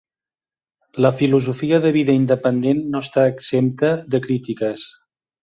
La filosofia de vida independent no està exempta de crítiques.